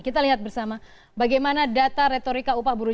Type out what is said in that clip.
kita lihat bersama bagaimana data retorika upah buruh